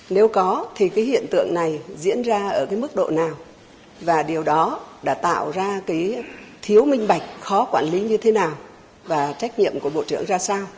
nếu có thì cái hiện tượng này diễn ra ở cái mức độ nào và điều đó đã tạo ra cái thiếu minh bạch khó quản lý như thế nào và trách nhiệm của bộ trưởng ra sao